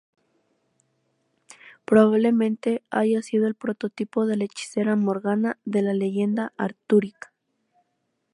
Probablemente haya sido el prototipo de la hechicera Morgana de la leyenda artúrica.